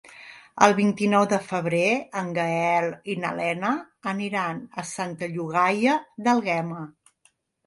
El vint-i-nou de febrer en Gaël i na Lena aniran a Santa Llogaia d'Àlguema.